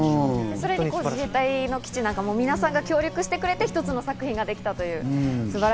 自衛隊の基地なんかも皆さんが協力してくれて、一つの作品ができた。